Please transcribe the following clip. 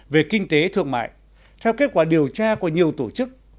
về kinh tế thương mại theo kết quả điều tra của nhiều tổ chức